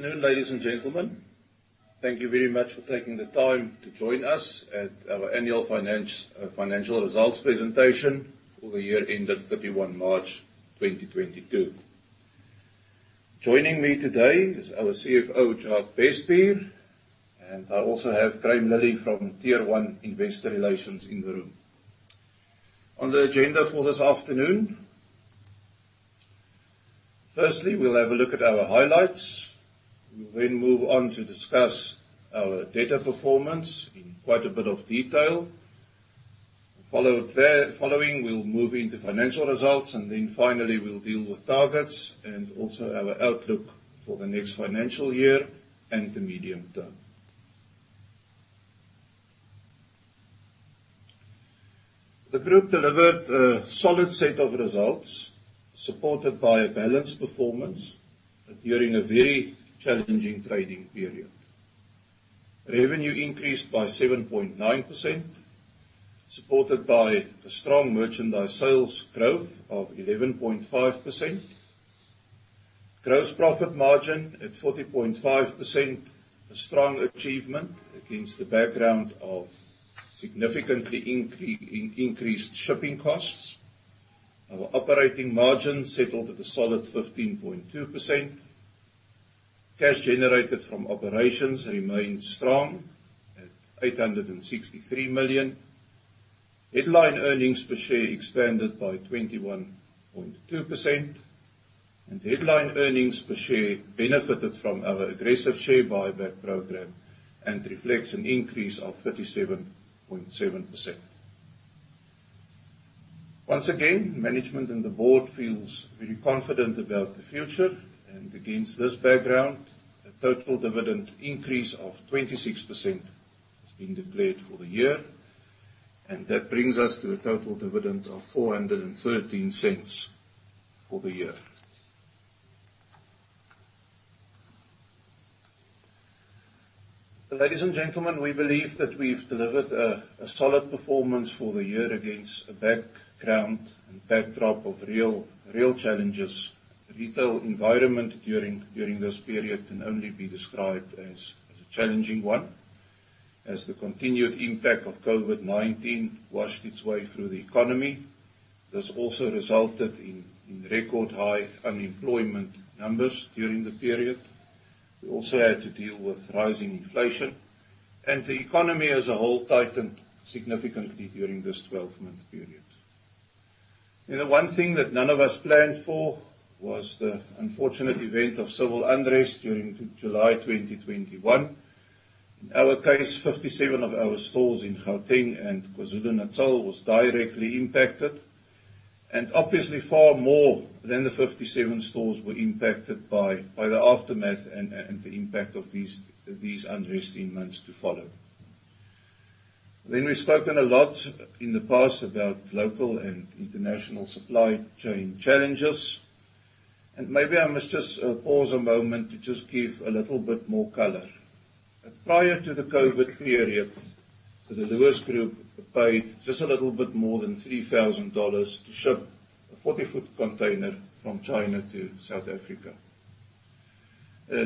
Good afternoon, ladies and gentlemen. Thank you very much for taking the time to join us at our annual financial results presentation for the year ended 31 March 2022. Joining me today is our CFO, Jacques Bestbier, and I also have Graeme Lillie from Tier 1 Investor Relations in the room. On the agenda for this afternoon firstly, we'll have a look at our highlights. We'll then move on to discuss our trade performance in quite a bit of detail. Following, we'll move into financial results, and then finally, we'll deal with targets and also our outlook for the next financial year and the medium term. The group delivered a solid set of results, supported by a balanced performance during a very challenging trading period. Revenue increased by 7.9%, supported by the strong merchandise sales growth of 11.5%. Gross profit margin at 40.5%, a strong achievement against the background of significantly increased shipping costs. Our operating margin settled at a solid 15.2%. Cash generated from operations remains strong at 863 million. Headline earnings per share expanded by 21.2%. Headline earnings per share benefited from our aggressive share buyback program and reflects an increase of 37.7%. Once again, management and the board feels very confident about the future. Against this background, a total dividend increase of 26% is being declared for the year. That brings us to a total dividend of 4.13 for the year. Ladies and gentlemen, we believe that we've delivered a solid performance for the year against a background and backdrop of real challenges. The retail environment during this period can only be described as a challenging one, as the continued impact of COVID-19 washed its way through the economy. This also resulted in record high unemployment numbers during the period. We also had to deal with rising inflation, and the economy as a whole tightened significantly during this 12-month period. You know, one thing that none of us planned for was the unfortunate event of civil unrest during July 2021. In our case, 57 of our stores in Gauteng and KwaZulu-Natal was directly impacted. Obviously, far more than the 57 stores were impacted by the aftermath and the impact of these unrest in months to follow. We've spoken a lot in the past about local and international supply chain challenges. Maybe I must just pause a moment to just give a little bit more color. Prior to the COVID period, the Lewis Group paid just a little bit more than $3,000 to ship a 40-ft container from China to South Africa.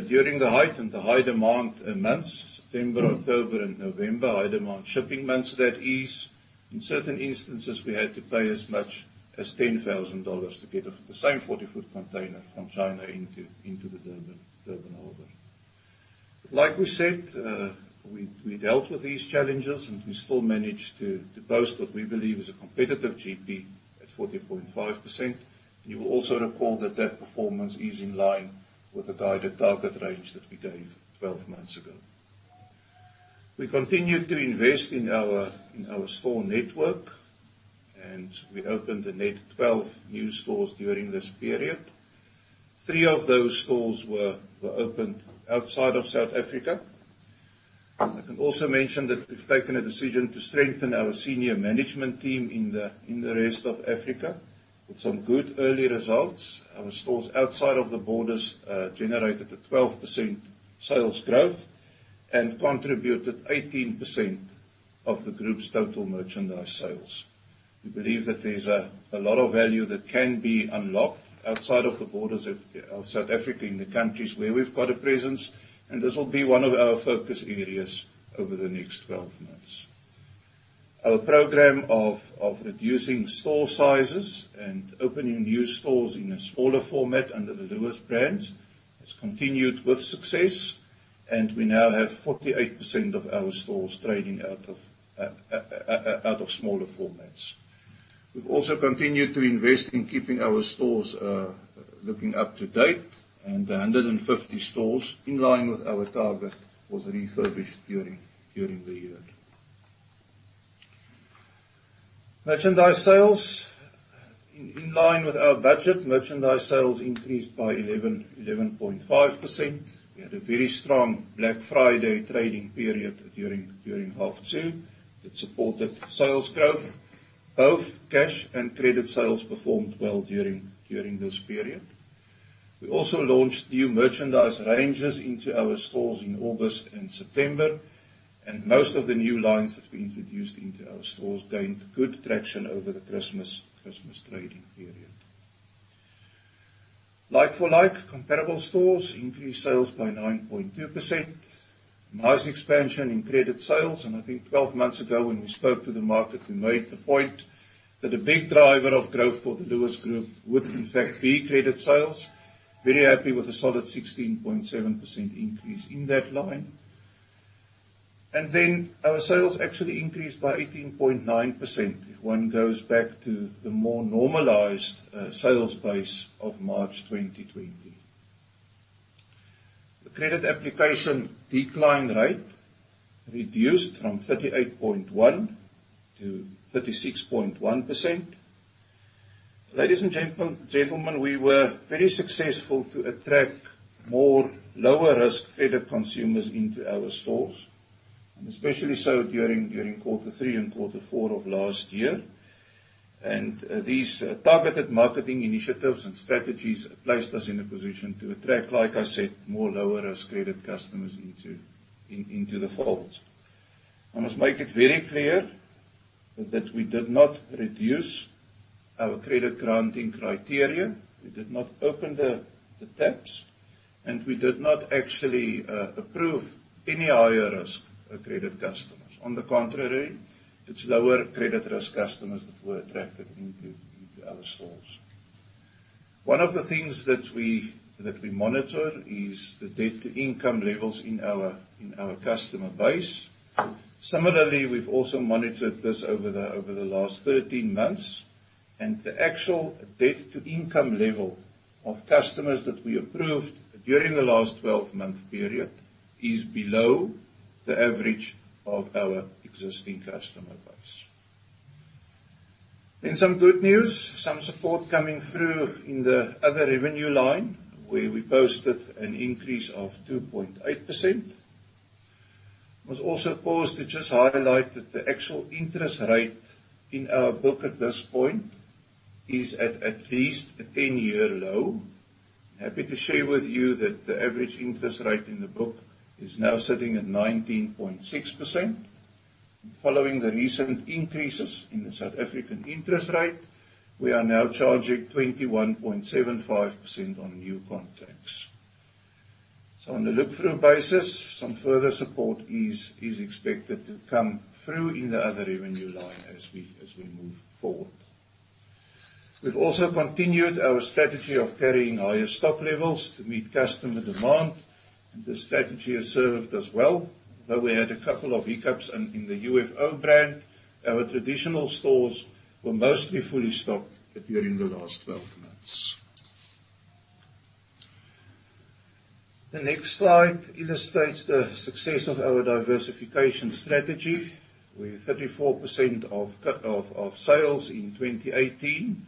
During the height and the high demand months, September, October and November, high demand shipping months that is, in certain instances, we had to pay as much as $10,000 to get the same 40-ft container from China into the Durban harbor. Like we said, we dealt with these challenges and we still managed to post what we believe is a competitive GP at 40.5%. You will also recall that that performance is in line with the guided target range that we gave 12 months ago. We continued to invest in our store network, and we opened a net 12 new stores during this period. Three of those stores were opened outside of South Africa. I can also mention that we've taken a decision to strengthen our senior management team in the rest of Africa. With some good early results, our stores outside of the borders generated a 12% sales growth and contributed 18% of the group's total merchandise sales. We believe that there's a lot of value that can be unlocked outside of the borders of South Africa, in the countries where we've got a presence, and this will be one of our focus areas over the next 12 months. Our program of reducing store sizes and opening new stores in a smaller format under the Lewis brand has continued with success, and we now have 48% of our stores trading out of smaller formats. We've also continued to invest in keeping our stores looking up to date, and 150 stores in line with our target was refurbished during the year. Merchandise sales. In line with our budget, merchandise sales increased by 11.5%. We had a very strong Black Friday trading period during half two that supported sales growth. Both cash and credit sales performed well during this period. We also launched new merchandise ranges into our stores in August and September. Most of the new lines that we introduced into our stores gained good traction over the Christmas trading period. Like-for-like comparable stores increased sales by 9.2%. Nice expansion in credit sales, and I think 12 months ago, when we spoke to the market, we made the point that a big driver of growth for the Lewis Group would in fact be credit sales. Very happy with a solid 16.7% increase in that line. Our sales actually increased by 18.9% if one goes back to the more normalized sales base of March 2020. The credit application decline rate reduced from 38.1% to 36.1%. Ladies and gentlemen, we were very successful to attract more lower risk credit consumers into our stores, and especially so during quarter three and quarter four of last year. These targeted marketing initiatives and strategies placed us in a position to attract, like I said, more lower risk credit customers into the fold. I must make it very clear that we did not reduce our credit granting criteria. We did not open the taps, and we did not actually approve any higher risk credit customers. On the contrary, it's lower credit risk customers that were attracted into our stores. One of the things that we monitor is the debt-to-income levels in our customer base. Similarly, we've also monitored this over the last 13 months, and the actual debt-to-income level of customers that we approved during the last 12-month period is below the average of our existing customer base. Some good news, some support coming through in the other revenue line, where we posted an increase of 2.8%. Must also pause to just highlight that the actual interest rate in our book at this point is at least a 10-year low. Happy to share with you that the average interest rate in the book is now sitting at 19.6%. Following the recent increases in the South African interest rate, we are now charging 21.75% on new contracts. On a look-through basis, some further support is expected to come through in the other revenue line as we move forward. We've also continued our strategy of carrying higher stock levels to meet customer demand. This strategy has served us well, though we had a couple of hiccups in the UFO brand. Our traditional stores were mostly fully stocked during the last 12 months. The next slide illustrates the success of our diversification strategy, with 34% of cash sales in 2018.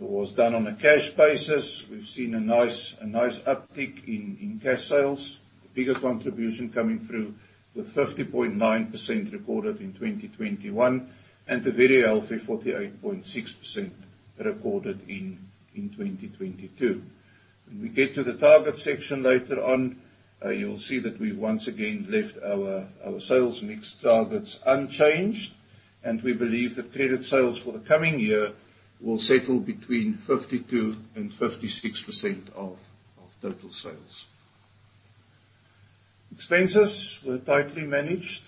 It was done on a cash basis. We've seen a nice uptick in cash sales. A bigger contribution coming through with 50.9% recorded in 2021, and a very healthy 48.6% recorded in 2022. When we get to the target section later on, you'll see that we've once again left our sales mix targets unchanged, and we believe that credit sales for the coming year will settle between 52% and 56% of total sales. Expenses were tightly managed,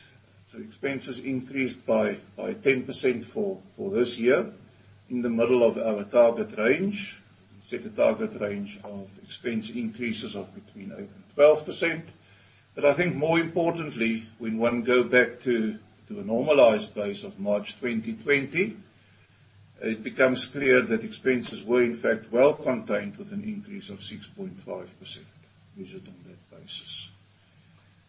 expenses increased by 10% for this year, in the middle of our target range. We set a target range of expense increases of between 8% and 12%. I think more importantly, when one go back to a normalized base of March 2020, it becomes clear that expenses were in fact well contained with an increase of 6.5%, measured on that basis.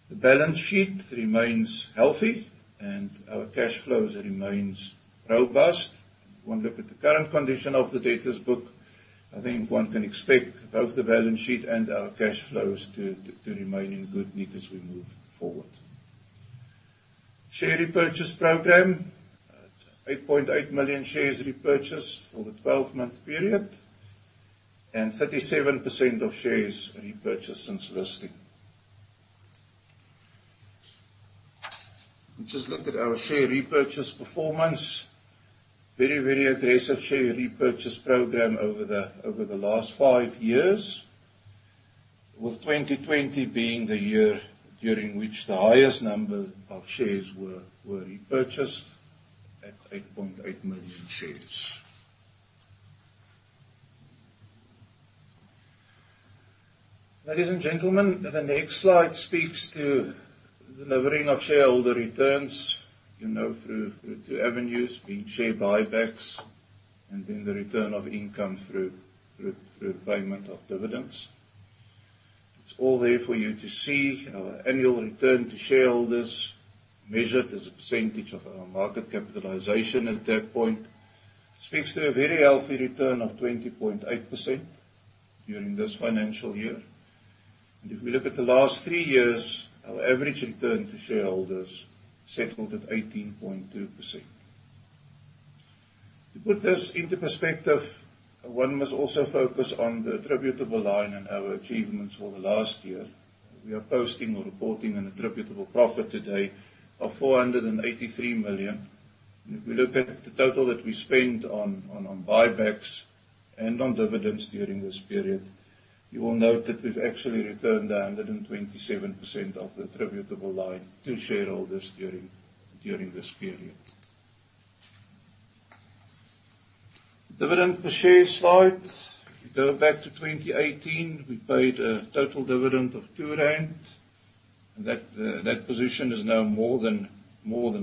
The balance sheet remains healthy and our cash flows remains robust. One look at the current condition of the debtors book, I think one can expect both the balance sheet and our cash flows to remain in good nick as we move forward. Share repurchase program at 8.8 million shares repurchased for the 12-month period, and 37% of shares repurchased since listing. We just look at our share repurchase performance. Very, very aggressive share repurchase program over the last five years, with 2020 being the year during which the highest number of shares were repurchased at 8.8 million shares. Ladies and gentlemen, the next slide speaks to the delivering of shareholder returns, you know, through two avenues, being share buybacks and then the return of income through payment of dividends. It's all there for you to see. Our annual return to shareholders measured as a percentage of our market capitalization at that point speaks to a very healthy return of 20.8% during this financial year. If we look at the last three years, our average return to shareholders settled at 18.2%. To put this into perspective, one must also focus on the attributable line in our achievements for the last year. We are posting or reporting an attributable profit today of 483 million. If we look at the total that we spent on buybacks and on dividends during this period, you will note that we've actually returned 127% of the attributable line to shareholders during this period. Dividend per share slide. If you go back to 2018, we paid a total dividend of 2 rand. That position is now more than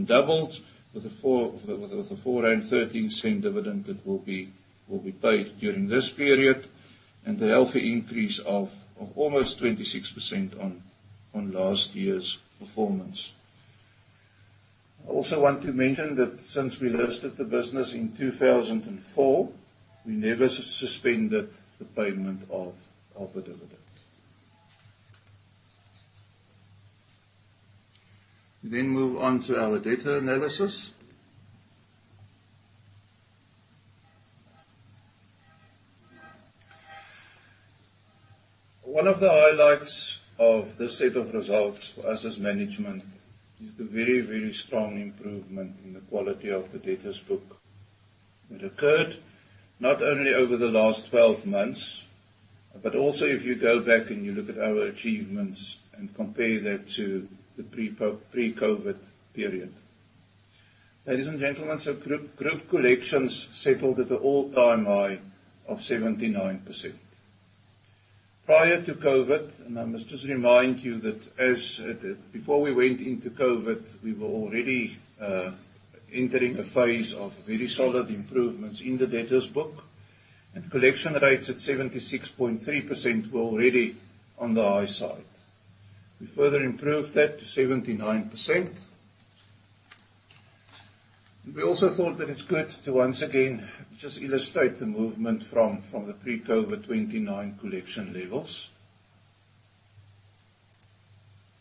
doubled with a 4.13 dividend that will be paid during this period, and a healthy increase of almost 26% on last year's performance. I also want to mention that since we listed the business in 2004, we never suspended the payment of a dividend. We then move on to our debtor analysis. One of the highlights of this set of results for us as management is the very, very strong improvement in the quality of the debtors book. It occurred not only over the last 12 months, but also if you go back and you look at our achievements and compare that to the pre-COVID period. Ladies and gentlemen, group collections settled at an all-time high of 79%. Prior to COVID, and I must just remind you that as before we went into COVID, we were already entering a phase of very solid improvements in the debtors book. Collection rates at 76.3% were already on the high side. We further improved that to 79%. We also thought that it's good to once again just illustrate the movement from the pre-COVID 2019 collection levels,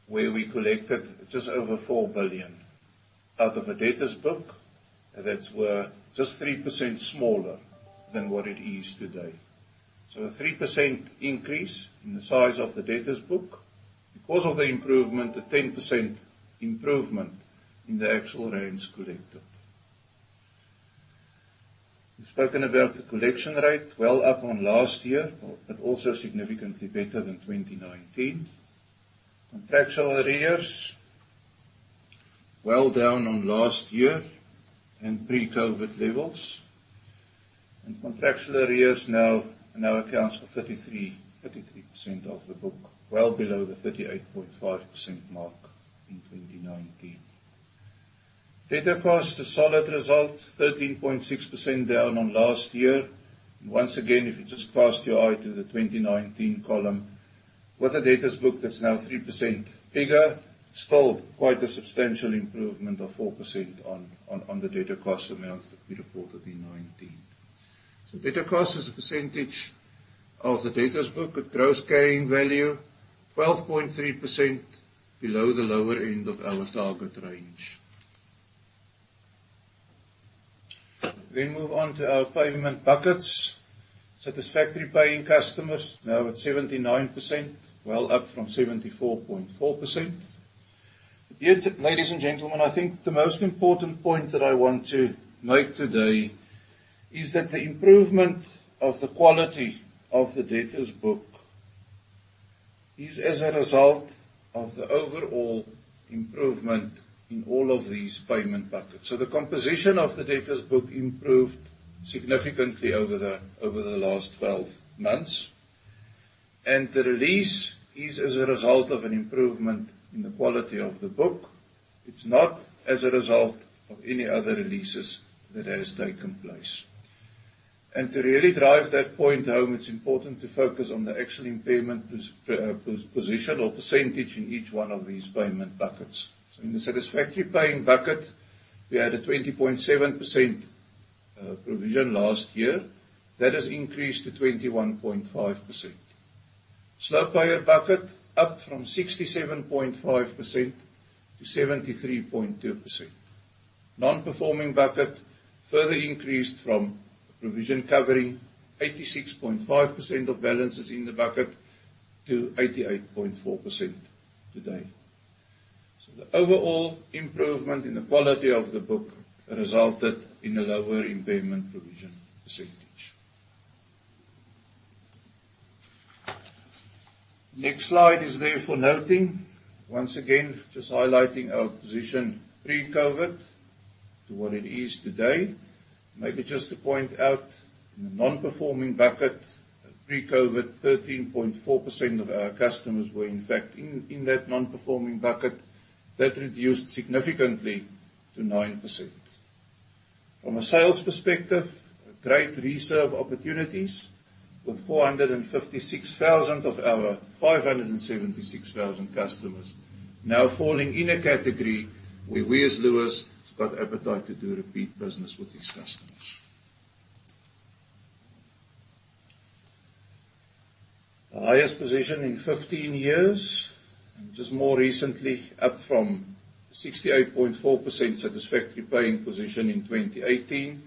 where we collected just over 4 billion out of a debtors book that were just 3% smaller than what it is today. A 3% increase in the size of the debtors book. Because of the improvement, a 10% improvement in the actual rands collected. We've spoken about the collection rate, well up on last year, but also significantly better than 2019. Contractual arrears, well down on last year and pre-COVID levels. Contractual arrears now accounts for 33% of the book, well below the 38.5% mark in 2019. Debtor cost, a solid result, 13.6% down on last year. Once again, if you just cast your eye to the 2019 column, with a debtors book that's now 3% bigger, still quite a substantial improvement of 4% on the debtor cost amounts that we reported in 2019. Debtor cost as a percentage of the debtors book at gross carrying value, 12.3% below the lower end of our target range. We move on to our payment buckets. Satisfactory paying customers now at 79%, well up from 74.4%. Again, ladies and gentlemen, I think the most important point that I want to make today is that the improvement of the quality of the debtors book is as a result of the overall improvement in all of these payment buckets. The composition of the debtors book improved significantly over the last 12 months. The release is as a result of an improvement in the quality of the book. It's not as a result of any other releases that has taken place. To really drive that point home, it's important to focus on the actual impairment position or percentage in each one of these payment buckets. In the satisfactory paying bucket, we had a 20.7% provision last year. That has increased to 21.5%. Slow payer bucket, up from 67.5% to 73.2%. Non-performing bucket, further increased from provision covering 86.5% of balances in the bucket to 88.4% today. The overall improvement in the quality of the book resulted in a lower impairment provision percentage. Next slide is there for noting. Once again, just highlighting our position pre-COVID to what it is today. Maybe just to point out, in the non-performing bucket, pre-COVID, 13.4% of our customers were in fact in that non-performing bucket. That reduced significantly to 9%. From a sales perspective, a great reserve opportunities, with 456,000 of our 576,000 customers now falling in a category where we as Lewis has got appetite to do repeat business with these customers. The highest position in 15 years. Just more recently, up from 68.4% satisfactory paying position in 2018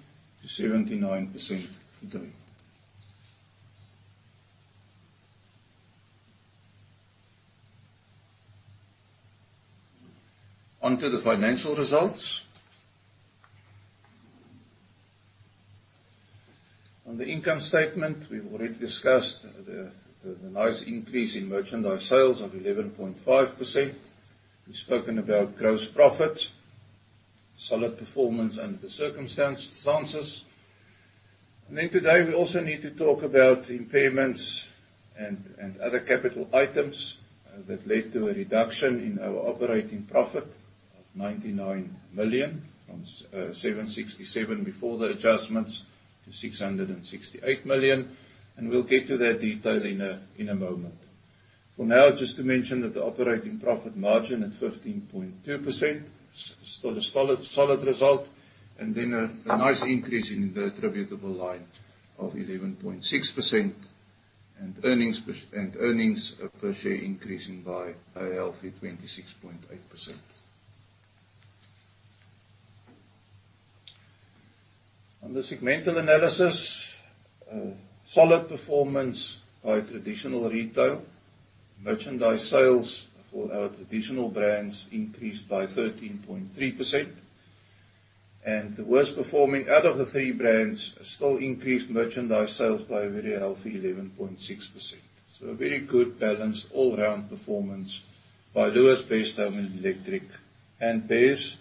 to 79% today. On to the financial results. On the income statement, we've already discussed the nice increase in merchandise sales of 11.5%. We've spoken about gross profits, solid performance under the circumstances. Today, we also need to talk about impairments and other capital items that led to a reduction in our operating profit of 99 million from 767 million before the adjustments to 668 million. We'll get to that detail in a moment. For now, just to mention that the operating profit margin at 15.2% still a solid result, and then a nice increase in the attributable line of 11.6%, and earnings per share increasing by a healthy 26.8%. On the segmental analysis, solid performance by traditional retail. Merchandise sales for our traditional brands increased by 13.3%. The worst performing out of the three brands still increased merchandise sales by a very healthy 11.6%. A very good balanced all-round performance by Lewis, Best Home & Electric and Beares.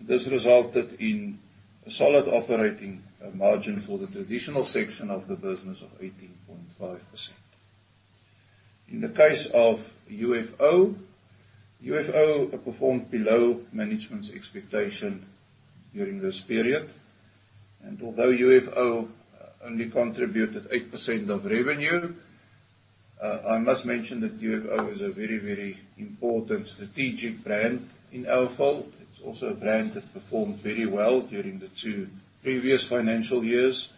This resulted in a solid operating margin for the traditional section of the business of 18.5%. In the case of UFO. UFO performed below management's expectation during this period. Although UFO only contributed 8% of revenue, I must mention that UFO is a very, very important strategic brand in our fold. It's also a brand that performed very well during the two previous financial years.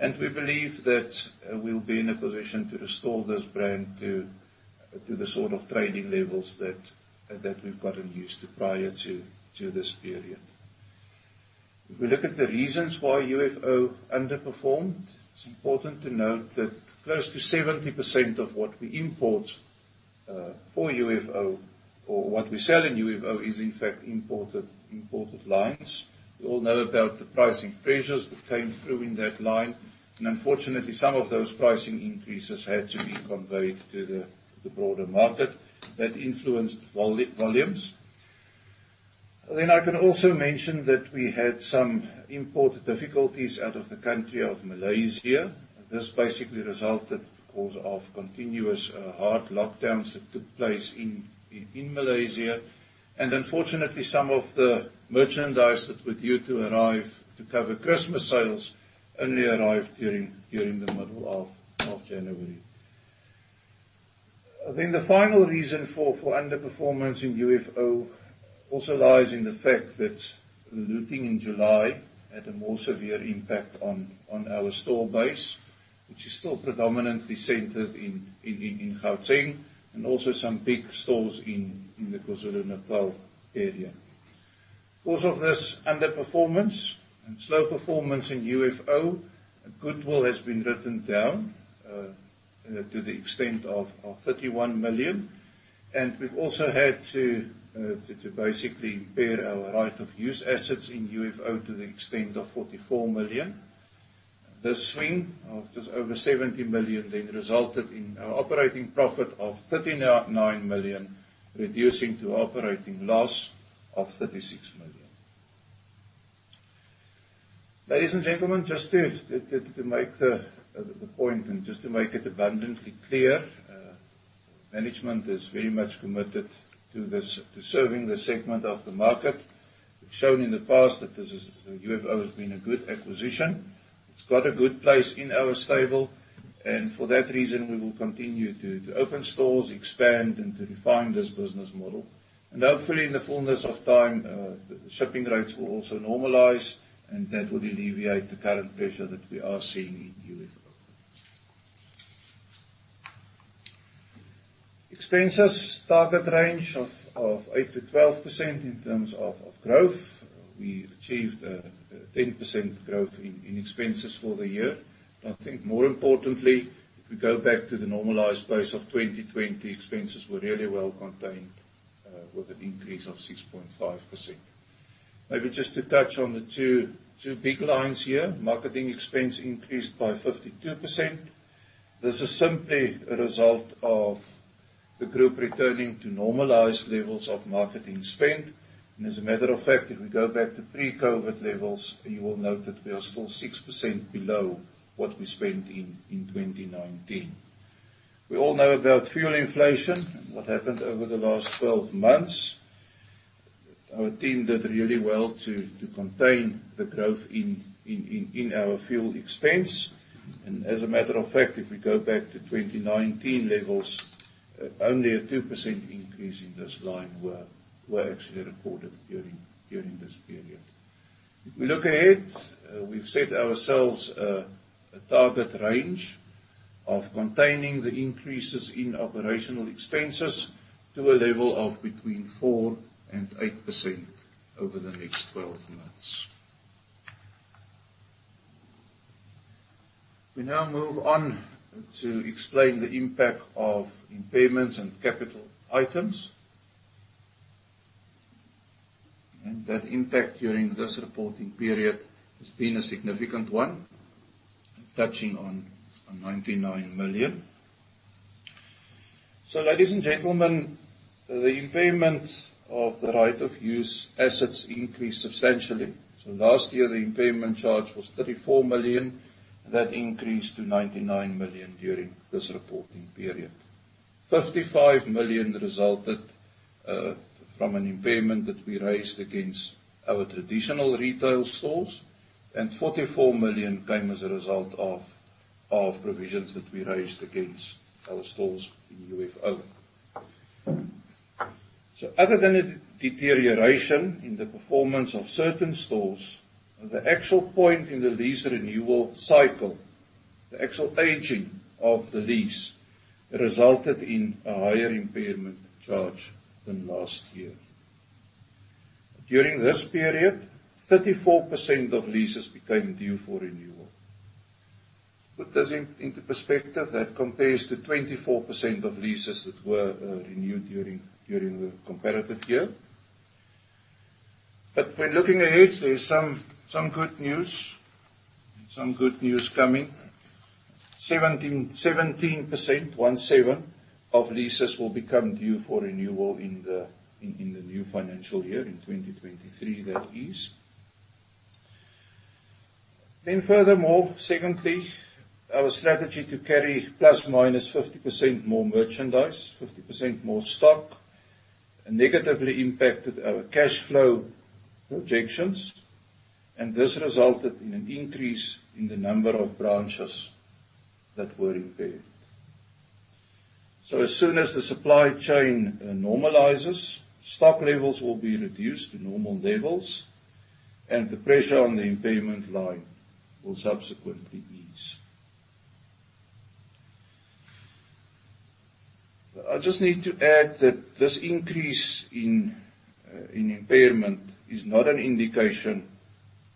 We believe that we'll be in a position to restore this brand to the sort of trading levels that we've gotten used to prior to this period. If we look at the reasons why UFO underperformed, it's important to note that close to 70% of what we import for UFO or what we sell in UFO is, in fact, imported lines. We all know about the pricing pressures that came through in that line. Unfortunately, some of those pricing increases had to be conveyed to the broader market that influenced volumes. I can also mention that we had some import difficulties out of the country of Malaysia. This basically resulted because of continuous hard lockdowns that took place in Malaysia. Unfortunately, some of the merchandise that were due to arrive to cover Christmas sales only arrived during the middle of January. The final reason for underperformance in UFO also lies in the fact that the looting in July had a more severe impact on our store base, which is still predominantly centered in Gauteng, and also some big stores in the KwaZulu-Natal area. Because of this underperformance and slow performance in UFO, goodwill has been written down to the extent of 31 million. We've also had to basically impair our right-of-use assets in UFO to the extent of 44 million. This swing of just over 70 million then resulted in our operating profit of 39 million, reducing to operating loss of 36 million. Ladies and gentlemen, just to make the point and just to make it abundantly clear, management is very much committed to this, to serving this segment of the market. We've shown in the past that this is. UFO has been a good acquisition. It's got a good place in our stable. For that reason, we will continue to open stores, expand, and to refine this business model. Hopefully, in the fullness of time, the shipping rates will also normalize, and that will alleviate the current pressure that we are seeing in UFO. Expenses target range of 8%-12% in terms of growth. We achieved a 10% growth in expenses for the year. I think more importantly, if we go back to the normalized base of 2020, expenses were really well contained with an increase of 6.5%. Maybe just to touch on the two big lines here. Marketing expense increased by 52%. This is simply a result of the group returning to normalized levels of marketing spend. As a matter of fact, if we go back to pre-COVID levels, you will note that we are still 6% below what we spent in 2019. We all know about fuel inflation and what happened over the last 12 months. Our team did really well to contain the growth in our fuel expense. As a matter of fact, if we go back to 2019 levels, only a 2% increase in this line were actually recorded during this period. We look ahead, we've set ourselves a target range of containing the increases in operational expenses to a level of between 4% and 8% over the next 12 months. We now move on to explain the impact of impairments and capital items. That impact during this reporting period has been a significant one, touching on 99 million. Ladies and gentlemen, the impairment of the right-of-use assets increased substantially. Last year the impairment charge was 34 million. That increased to 99 million during this reporting period. 55 million resulted from an impairment that we raised against our traditional retail stores, and 44 million came as a result of provisions that we raised against our stores in UFO. Other than a deterioration in the performance of certain stores, the actual point in the lease renewal cycle, the actual aging of the lease, resulted in a higher impairment charge than last year. During this period, 34% of leases became due for renewal. To put this into perspective, that compares to 24% of leases that were renewed during the comparative year. When looking ahead, there's some good news coming. 17% of leases will become due for renewal in the new financial year, in 2023 that is. Furthermore, secondly, our strategy to carry ±50% more merchandise, 50% more stock, negatively impacted our cash flow projections, and this resulted in an increase in the number of branches that were impaired. As soon as the supply chain normalizes, stock levels will be reduced to normal levels and the pressure on the impairment line will subsequently ease. I just need to add that this increase in impairment is not an indication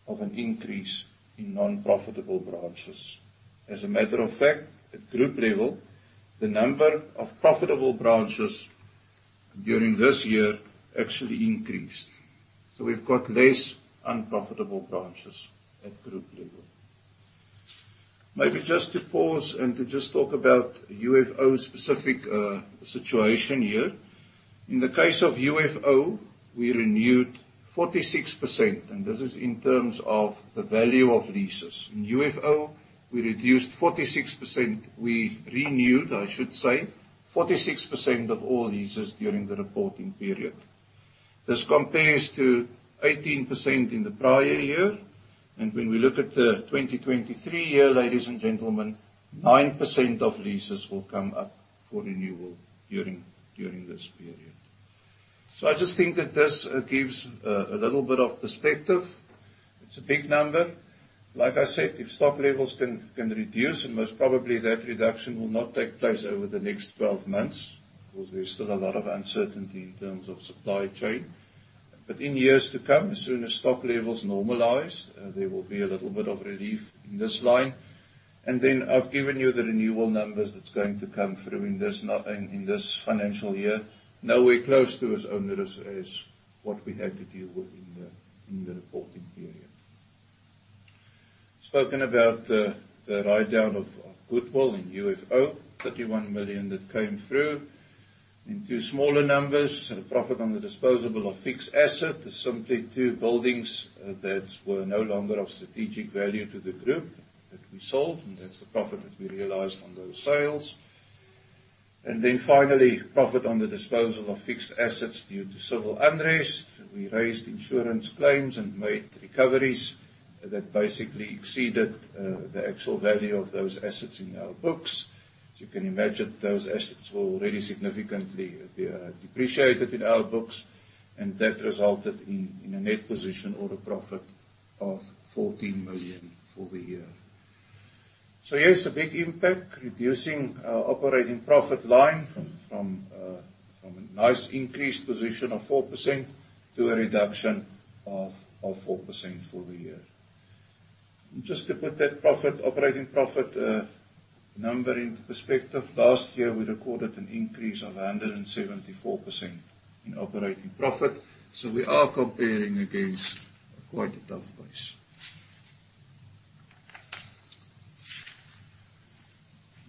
of an increase in non-profitable branches. As a matter of fact, at group level, the number of profitable branches during this year actually increased. We've got less unprofitable branches at group level. Maybe just to pause and to just talk about UFO's specific situation here. In the case of UFO, we renewed 46%, and this is in terms of the value of leases. In UFO, we reduced 46%. We renewed, I should say, 46% of all leases during the reporting period. This compares to 18% in the prior year. When we look at the 2023 year, ladies and gentlemen, 9% of leases will come up for renewal during this period. I just think that this gives a little bit of perspective. It's a big number. Like I said, if stock levels can reduce, and most probably that reduction will not take place over the next 12 months, because there's still a lot of uncertainty in terms of supply chain. In years to come, as soon as stock levels normalize, there will be a little bit of relief in this line. I've given you the renewal numbers that's going to come through in this not. In this financial year. Nowhere close to as onerous as what we had to deal with in the reporting period. Spoke about the write-down of goodwill in UFO, 31 million that came through. Now two smaller numbers, the profit on the disposal of fixed assets is simply two buildings that were no longer of strategic value to the group that we sold, and that's the profit that we realized on those sales. Then finally, profit on the disposal of fixed assets due to civil unrest. We raised insurance claims and made recoveries that basically exceeded the actual value of those assets in our books. As you can imagine, those assets were already significantly depreciated in our books, and that resulted in a net position or a profit of 14 million for the year. Yes, a big impact, reducing our operating profit line from a nice increased position of 4% to a reduction of 4% for the year. Just to put that profit, operating profit, number into perspective, last year we recorded an increase of 174% in operating profit. We are comparing against quite a tough base.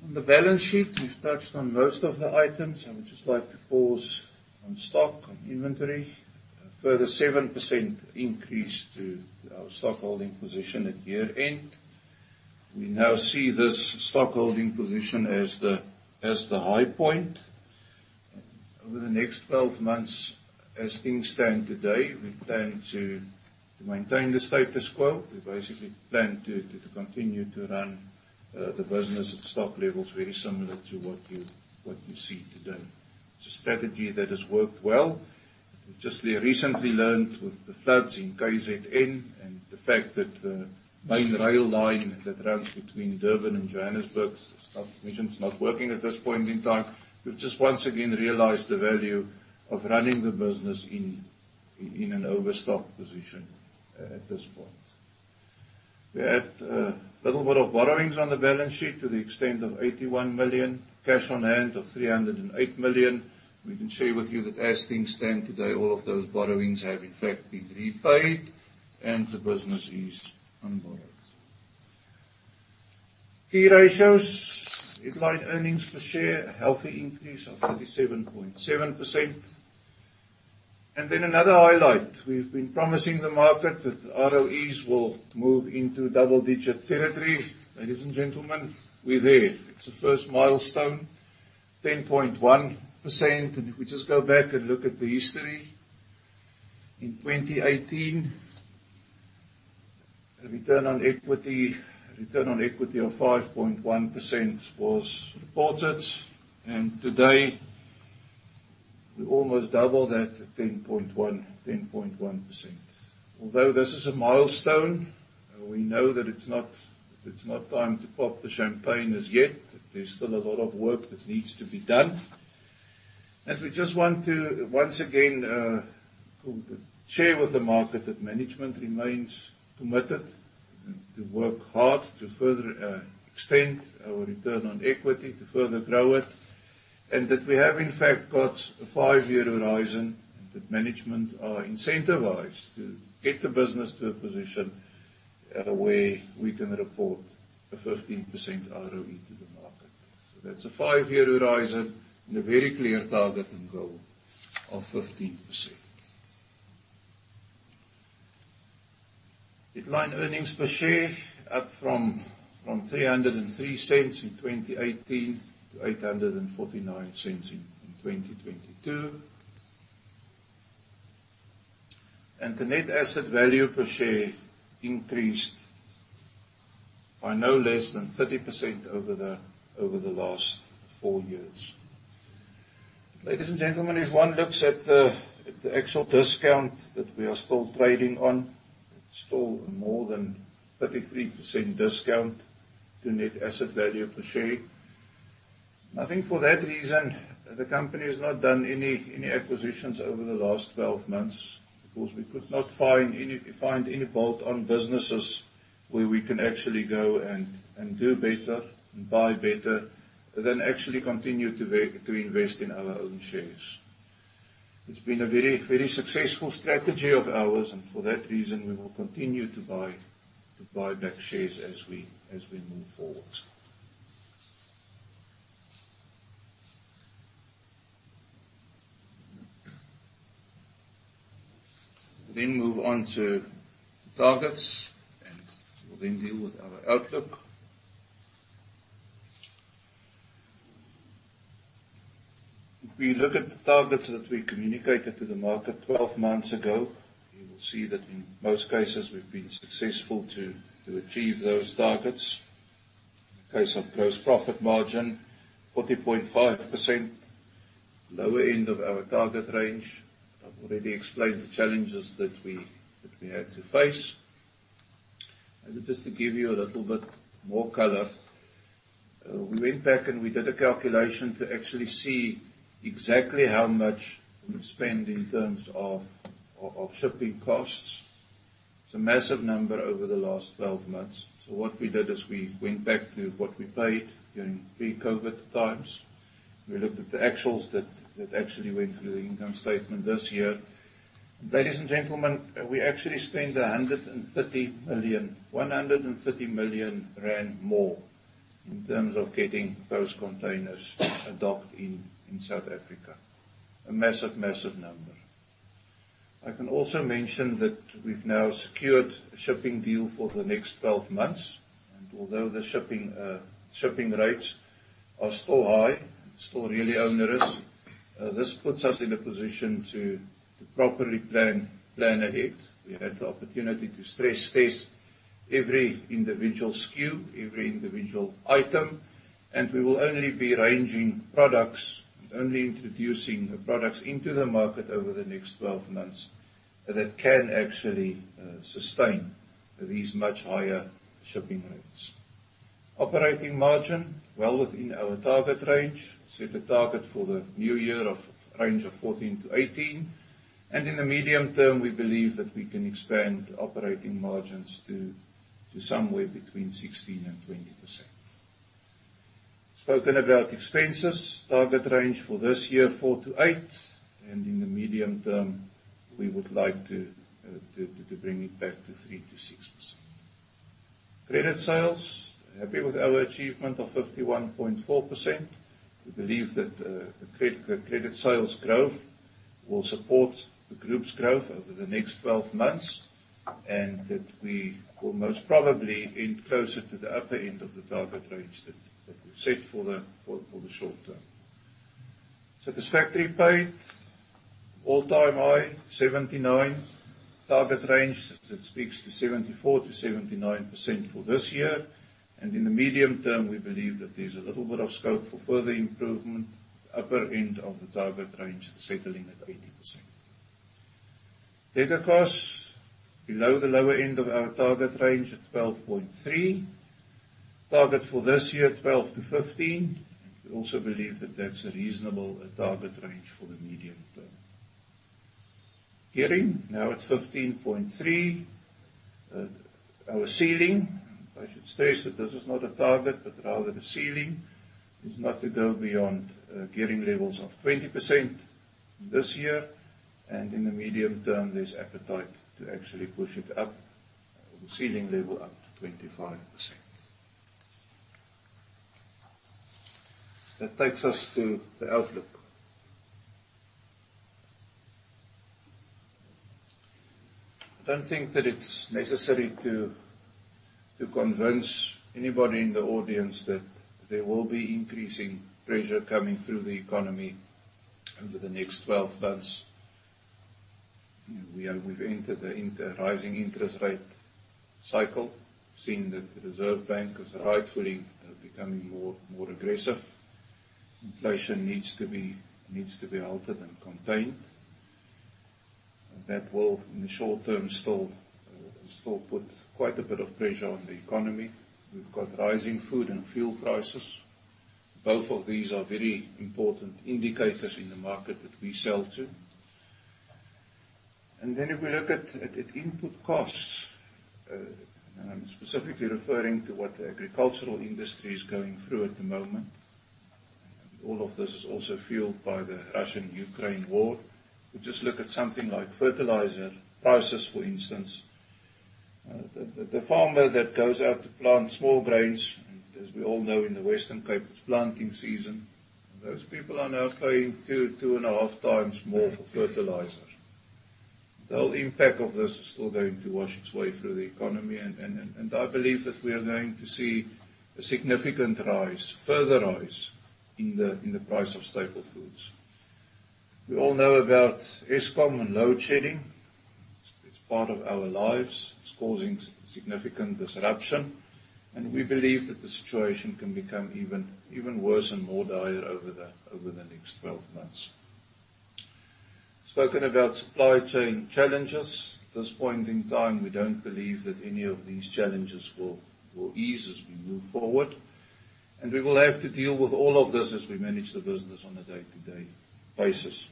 On the balance sheet, we've touched on most of the items. I would just like to pause on stock, on inventory. A further 7% increase to our stock holding position at year-end. We now see this stock holding position as the high point. Over the next 12 months, as things stand today, we plan to maintain the status quo. We basically plan to continue to run the business at stock levels very similar to what you see today. It's a strategy that has worked well. We just recently learned with the floods in KZN and the fact that the main rail line that runs between Durban and Johannesburg, as Tom mentioned, is not working at this point in time. We've just once again realized the value of running the business in an overstock position at this point. We had a little bit of borrowings on the balance sheet to the extent of 81 million. Cash on hand of 308 million. We can share with you that as things stand today, all of those borrowings have in fact been repaid and the business is unborrowed. Key ratios. Headline earnings per share, a healthy increase of 37.7%. Another highlight. We've been promising the market that ROEs will move into double digit territory. Ladies and gentlemen, we're there. It's the first milestone, 10.1%. If we just go back and look at the history, in 2018, the return on equity of 5.1% was reported. Today, we almost doubled that to 10.1%. Although this is a milestone, we know that it's not time to pop the champagne just yet. There's still a lot of work that needs to be done. We just want to once again to share with the market that management remains committed to work hard to further extend our return on equity, to further grow it, and that we have in fact got a five-year horizon that management are incentivized to get the business to a position where we can report a 15% ROE to the market. That's a five-year horizon and a very clear target and goal of 15%. Headline earnings per share up from 3.03 in 2018 to 8.49 in 2022. The net asset value per share increased by no less than 30% over the last four years. Ladies and gentlemen, if one looks at the actual discount that we are still trading on, it's still more than 33% discount to net asset value per share. I think for that reason, the company has not done any acquisitions over the last 12 months because we could not find any bolt-on businesses where we can actually go and do better and buy better than actually continue to invest in our own shares. It's been a very successful strategy of ours, and for that reason, we will continue to buy back shares as we move forward. We move on to targets, and we'll deal with our outlook. If we look at the targets that we communicated to the market 12 months ago, you will see that in most cases we've been successful to achieve those targets. In case of gross profit margin, 40.5%. Lower end of our target range. I've already explained the challenges that we had to face. Just to give you a little bit more color, we went back and we did a calculation to actually see exactly how much we spent in terms of shipping costs. It's a massive number over the last 12 months. What we did is we went back to what we paid during pre-COVID times. We looked at the actuals that actually went through the income statement this year. Ladies and gentlemen, we actually spent 130 million more in terms of getting those containers docked in South Africa. A massive number. I can also mention that we've now secured a shipping deal for the next 12 months, and although the shipping rates are still high and still really onerous, this puts us in a position to properly plan ahead. We had the opportunity to stress-test every individual SKU, every individual item, and we will only be arranging products and only introducing products into the market over the next 12 months that can actually sustain these much higher shipping rates. Operating margin well within our target range. Set a target for the new year of range of 14%-18%. In the medium term, we believe that we can expand operating margins to somewhere between 16% and 20%. OpEx. Target range for this year, 4%-8%. In the medium term, we would like to bring it back to 3%-6%. Credit sales. Happy with our achievement of 51.4%. We believe that the credit sales growth will support the group's growth over the next 12 months, and that we will most probably end closer to the upper end of the target range that we set for the short term. Satisfactory paid, all-time high, 79%. Target range, that speaks to 74%-79% for this year. In the medium term, we believe that there's a little bit of scope for further improvement. Upper end of the target range, settling at 80%. Debtor costs below the lower end of our target range at 12.3%. Target for this year, 12%-15%. We also believe that that's a reasonable target range for the medium term. Gearing now at 15.3%. Our ceiling, I should state that this is not a target, but rather the ceiling, is not to go beyond gearing levels of 20% this year. In the medium term, there's appetite to actually push it up, the ceiling level up to 25%. That takes us to the outlook. I don't think that it's necessary to convince anybody in the audience that there will be increasing pressure coming through the economy over the next 12 months. You know, we are. We've entered an interest-rising interest rate cycle, seeing that the Reserve Bank is rightfully becoming more aggressive. Inflation needs to be halted and contained. That will, in the short term, still put quite a bit of pressure on the economy. We've got rising food and fuel prices. Both of these are very important indicators in the market that we sell to. If we look at input costs, and I'm specifically referring to what the agricultural industry is going through at the moment. All of this is also fueled by the Russia-Ukraine war. If we just look at something like fertilizer prices, for instance. The farmer that goes out to plant small grains, and as we all know, in the Western Cape, it's planting season. Those people are now paying 2.5x more for fertilizers. The whole impact of this is still going to wash its way through the economy, and I believe that we are going to see a significant rise, further rise in the price of staple foods. We all know about Eskom and load shedding. It's part of our lives. It's causing significant disruption, and we believe that the situation can become even worse and more dire over the next 12 months. Spoken about supply chain challenges. At this point in time, we don't believe that any of these challenges will ease as we move forward. We will have to deal with all of this as we manage the business on a day-to-day basis.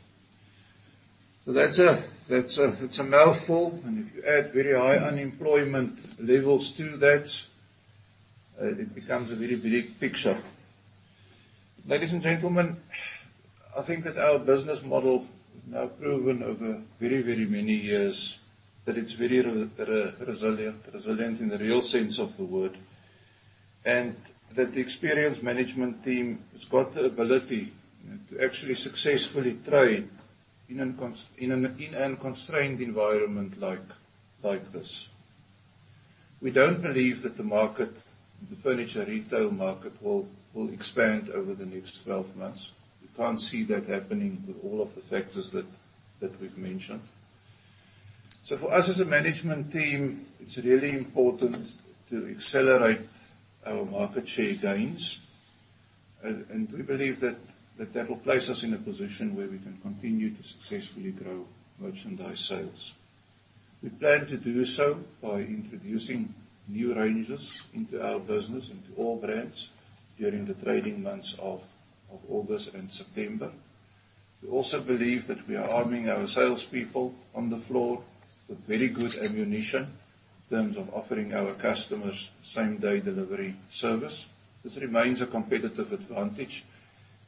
It's a mouthful, and if you add very high unemployment levels to that, it becomes a very big picture. Ladies and gentlemen, I think that our business model, now proven over very, very many years, that it's very resilient in the real sense of the word. The experienced management team has got the ability to actually successfully trade in a constrained environment like this. We don't believe that the market, the furniture retail market, will expand over the next 12 months. We can't see that happening with all of the factors that we've mentioned. For us as a management team, it's really important to accelerate our market share gains. We believe that will place us in a position where we can continue to successfully grow merchandise sales. We plan to do so by introducing new ranges into our business, into all brands, during the trading months of August and September. We also believe that we are arming our salespeople on the floor with very good ammunition in terms of offering our customers same-day delivery service. This remains a competitive advantage,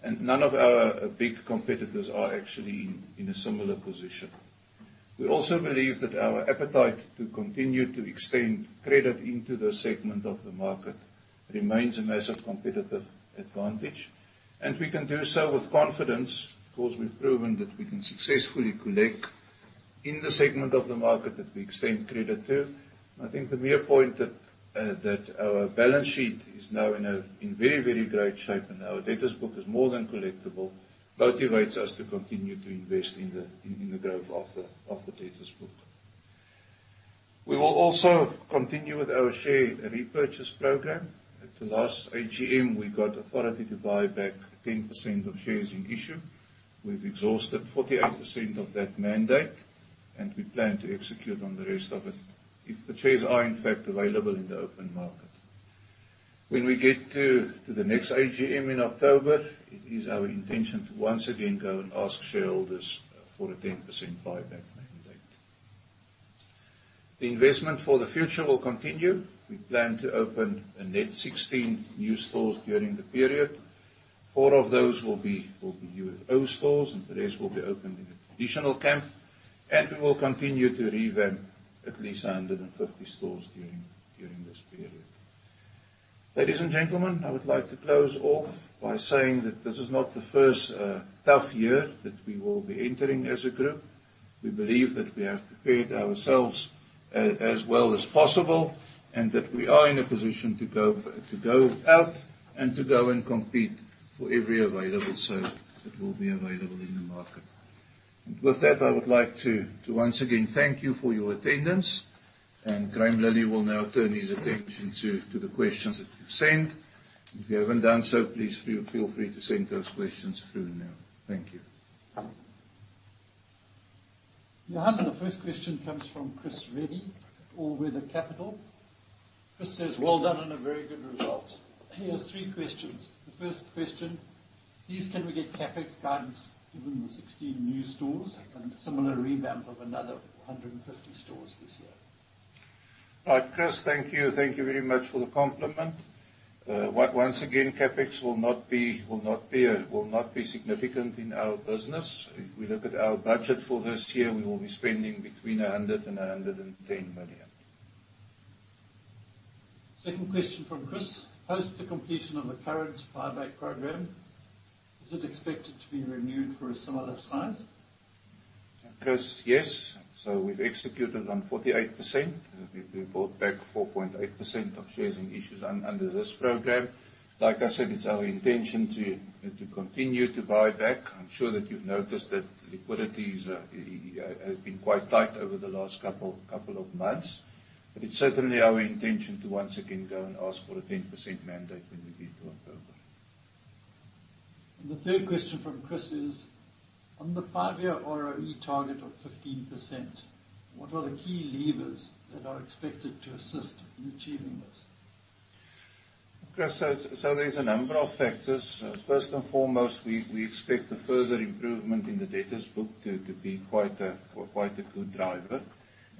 and none of our big competitors are actually in a similar position. We also believe that our appetite to continue to extend credit into this segment of the market remains a massive competitive advantage. We can do so with confidence 'cause we've proven that we can successfully collect in the segment of the market that we extend credit to. I think the mere point that our balance sheet is now in very, very great shape and our debtors book is more than collectible motivates us to continue to invest in the growth of the debtors book. We will also continue with our share repurchase program. At the last AGM, we got authority to buy back 10% of shares in issue. We've exhausted 48% of that mandate, and we plan to execute on the rest of it if the shares are in fact available in the open market. When we get to the next AGM in October, it is our intention to once again go and ask shareholders for a 10% buyback mandate. The investment for the future will continue. We plan to open a net 16 new stores during the period. Four of those will be UFO stores, and the rest will be opened in a traditional format. We will continue to revamp at least 150 stores during this period. Ladies and gentlemen, I would like to close off by saying that this is not the first tough year that we will be entering as a group. We believe that we have prepared ourselves as well as possible, and that we are in a position to go out and compete for every available sale that will be available in the market. With that, I would like to once again thank you for your attendance. Graeme Lillie will now turn his attention to the questions that you've sent. If you haven't done so, please feel free to send those questions through now. Thank you. Johan, the first question comes from Chris Reddy, All Weather Capital. Chris says, "Well done on a very good result." He has three questions. The first question: please can we get CapEx guidance, given the 16 new stores and similar revamp of another 150 stores this year? All right, Chris, thank you. Thank you very much for the compliment. Once again, CapEx will not be significant in our business. If we look at our budget for this year, we will be spending between 100 million and 110 million. Second question from Chris: Post the completion of the current buyback program, is it expected to be renewed for a similar size? Chris, yes. We've executed on 48%. We bought back 4.8% of shares in issue under this program. Like I said, it's our intention to continue to buy back. I'm sure that you've noticed that liquidity has been quite tight over the last couple of months. It's certainly our intention to once again go and ask for a 10% mandate when we get to October. The third question from Chris is: On the five-year ROE target of 15%, what are the key levers that are expected to assist in achieving this? Chris, there's a number of factors. First and foremost, we expect the further improvement in the debtors book to be quite a good driver.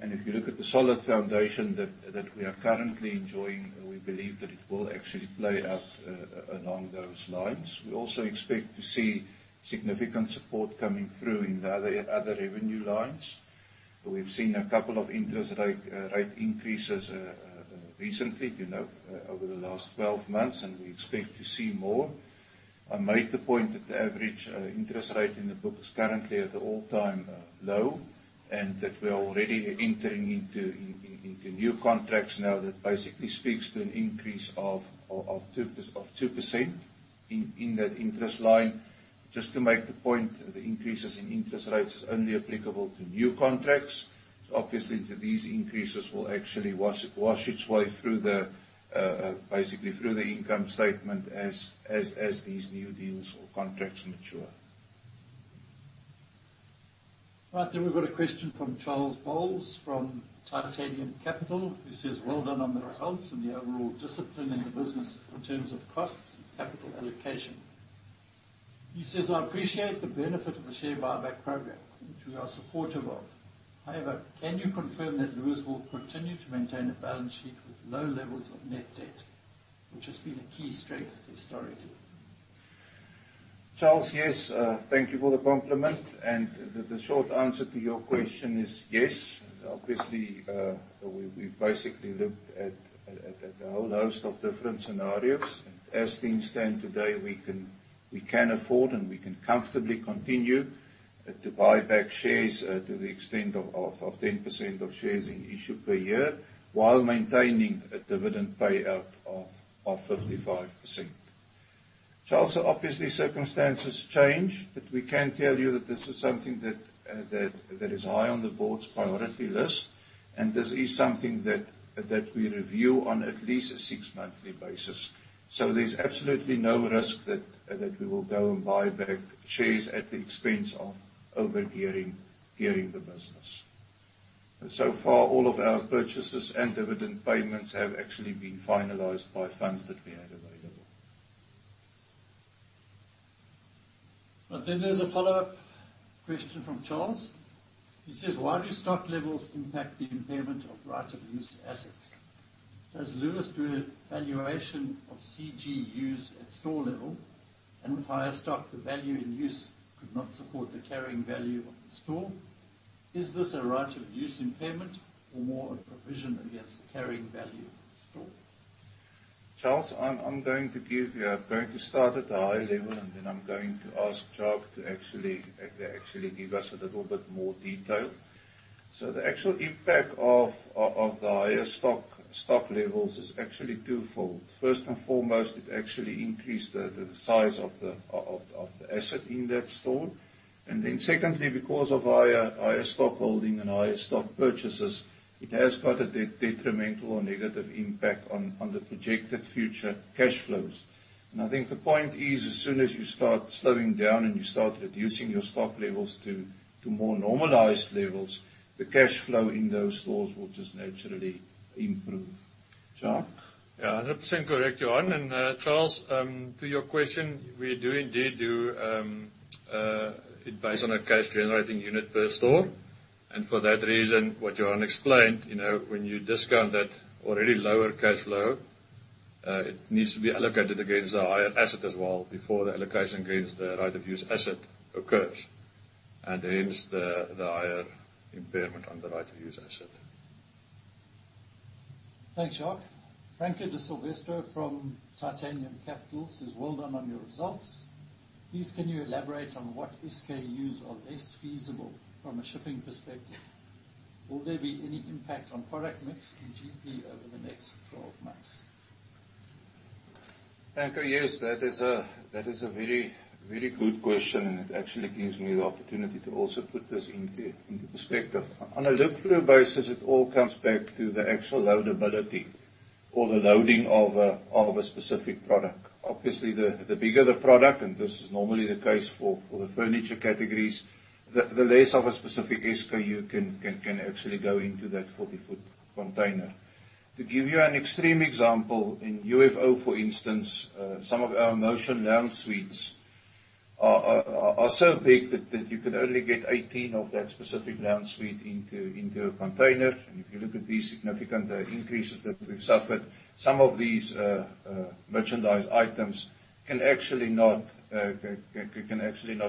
If you look at the solid foundation that we are currently enjoying, we believe that it will actually play out along those lines. We also expect to see significant support coming through in the other revenue lines. We've seen a couple of interest rate increases recently, you know, over the last 12 months, and we expect to see more. I made the point that the average interest rate in the book is currently at an all-time low, and that we are already entering into new contracts now that basically speaks to an increase of 2% in that interest line. Just to make the point, the increases in interest rates is only applicable to new contracts. Obviously these increases will actually wash its way through the basically through the income statement as these new deals or contracts mature. Right. We've got a question from Charles Boles from Titanium Capital, who says, "Well done on the results and the overall discipline in the business in terms of costs and capital allocation." He says, "I appreciate the benefit of the share buyback program, which we are supportive of. However, can you confirm that Lewis will continue to maintain a balance sheet with low levels of net debt, which has been a key strength historically? Charles, yes. Thank you for the compliment. The short answer to your question is yes. Obviously, we've basically looked at a whole host of different scenarios. As things stand today, we can afford and we can comfortably continue to buy back shares to the extent of 10% of shares in issue per year, while maintaining a dividend payout of 55%. Charles, obviously circumstances change, but we can tell you that this is something that is high on the board's priority list, and this is something that we review on at least a six-monthly basis. There's absolutely no risk that we will go and buy back shares at the expense of over-gearing the business. So far, all of our purchases and dividend payments have actually been finalized by funds that we had available. Then there's a follow-up question from Charles. He says, "Why do stock levels impact the impairment of right-of-use assets? Does Lewis do a valuation of CGUs at store level? With higher stock, the value and use could not support the carrying value of the store. Is this a right-of-use impairment or more a provision against the carrying value of the store? Charles, I'm going to give you. I'm going to start at the high level, and then I'm going to ask Jacques to actually give us a little bit more detail. The actual impact of the higher stock levels is actually twofold. First and foremost, it actually increased the size of the asset in that store. Then secondly, because of higher stock holding and higher stock purchases, it has quite a detrimental or negative impact on the projected future cash flows. I think the point is, as soon as you start slowing down and you start reducing your stock levels to more normalized levels, the cash flow in those stores will just naturally improve. Jacques? Yeah. 100% correct, Johan. Charles, to your question, we do indeed do it based on a cash generating unit per store. For that reason, what Johan explained, you know, when you discount that already lower cash flow, it needs to be allocated against the higher asset as well before the allocation against the right-of-use asset occurs, and hence the higher impairment on the right-of-use asset. Thanks, Jacques. Franca Di Silvestro from Titanium Capital says, "Well done on your results. Please can you elaborate on what SKUs are less feasible from a shipping perspective? Will there be any impact on product mix and GP over the next 12 months? Franca, yes, that is a very, very good question, and it actually gives me the opportunity to also put this into perspective. On a look-through basis, it all comes back to the actual loadability or the loading of a specific product. Obviously, the bigger the product, and this is normally the case for the furniture categories, the less of a specific SKU can actually go into that 40-ft container. To give you an extreme example, in UFO, for instance, some of our motion lounge suites are so big that you can only get 18 of that specific lounge suite into a container. If you look at the significant increases that we've suffered, some of these merchandise items can actually not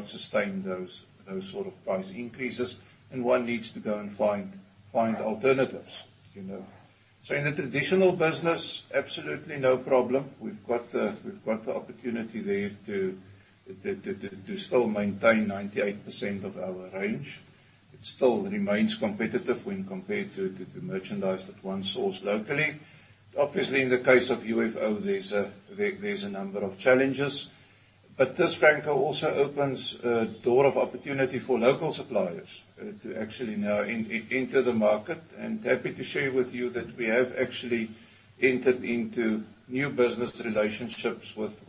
sustain those sort of price increases, and one needs to go and find alternatives, you know. In a traditional business, absolutely no problem. We've got the opportunity there to still maintain 98% of our range. It still remains competitive when compared to merchandise that one sources locally. Obviously, in the case of UFO, there's a number of challenges. This, Franca, also opens a door of opportunity for local suppliers to actually now enter the market. Happy to share with you that we have actually entered into new business relationships with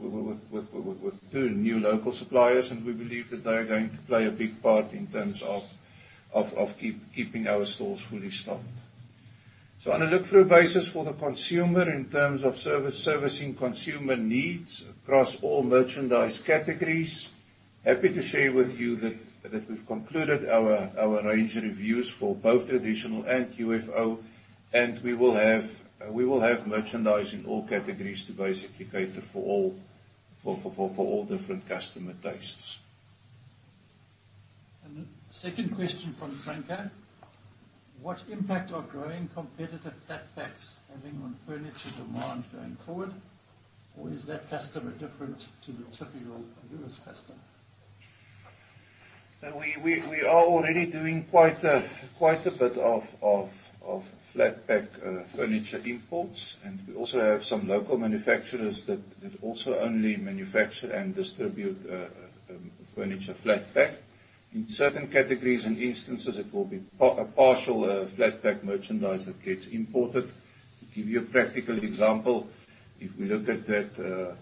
two new local suppliers. We believe that they are going to play a big part in terms of keeping our stores fully stocked. On a look-through basis for the consumer, in terms of servicing consumer needs across all merchandise categories, happy to share with you that we've concluded our range reviews for both traditional and UFO, and we will have merchandise in all categories to basically cater for all different customer tastes. The second question from Franca. What impact are growing competitive flat packs having on furniture demand going forward? Or is that customer different to the typical Lewis customer? We are already doing quite a bit of flat pack furniture imports. We also have some local manufacturers that also only manufacture and distribute furniture flat pack. In certain categories and instances, it will be partial flat pack merchandise that gets imported. To give you a practical example, if we look at that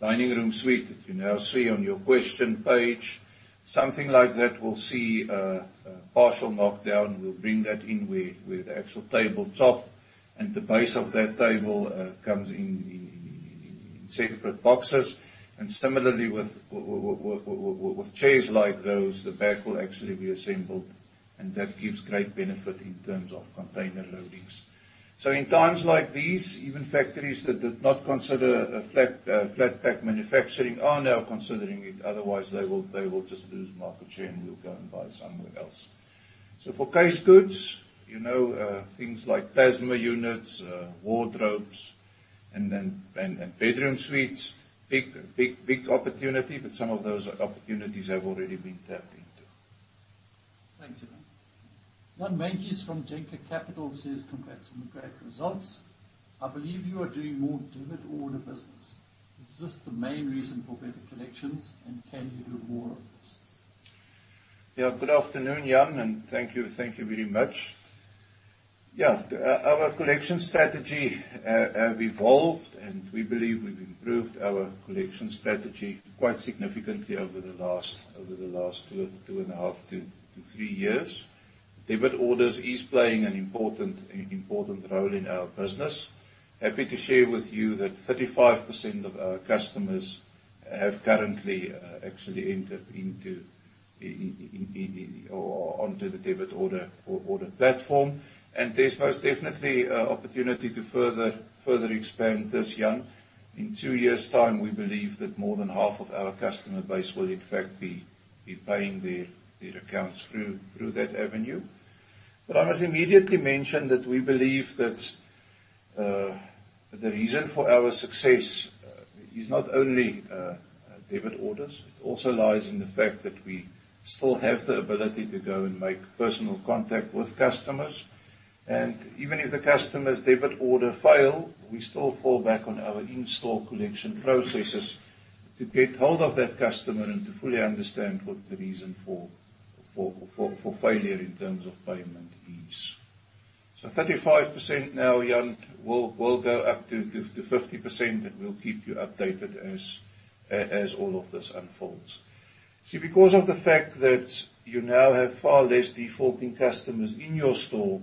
dining room suite that you now see on your question page, something like that will see a partial knockdown. We'll bring that in with the actual table top and the base of that table comes in separate boxes. Similarly, with chairs like those, the back will actually be assembled, and that gives great benefit in terms of container loadings. In times like these, even factories that did not consider flat pack manufacturing are now considering it. Otherwise, they will just lose market share, and we'll go and buy somewhere else. For case goods, you know, things like plasma units, wardrobes and bedroom suites, big opportunity, but some of those opportunities have already been tapped into. Thanks, Johan. Jan Meintjes from Denker Capital says, "Congrats on the great results. I believe you are doing more debit order business. Is this the main reason for better collections, and can you do more of this? Good afternoon, Jan, and thank you very much. Our collection strategy evolved, and we believe we've improved our collection strategy quite significantly over the last two and a half to three years. Debit orders is playing an important role in our business. Happy to share with you that 35% of our customers have currently actually entered into or onto the debit order platform. There's most definitely opportunity to further expand this, Jan. In two years' time, we believe that more than half of our customer base will in fact be paying their accounts through that avenue. I must immediately mention that we believe that the reason for our success is not only debit orders. It also lies in the fact that we still have the ability to go and make personal contact with customers. Even if the customer's debit order fail, we still fall back on our in-store collection processes to get hold of that customer and to fully understand what the reason for failure in terms of payment is. 35% now, Jan, will go up to 50%, and we'll keep you updated as all of this unfolds. See, because of the fact that you now have far less defaulting customers in your store,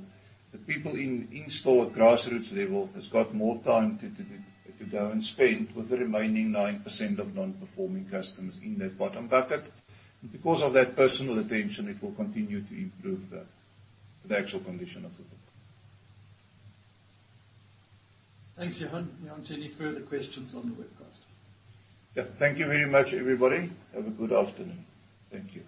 the people in-store at grassroots level has got more time to go and spend with the remaining 9% of non-performing customers in that bottom bucket. Because of that personal attention, it will continue to improve the actual condition of the book. Thanks, Johan. Jan, to any further questions on the webcast. Yeah. Thank you very much, everybody. Have a good afternoon. Thank you.